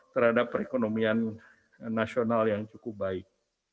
terhadap perekonomian nasional yang cukup baik